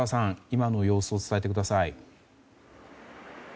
今の様子を伝えてください。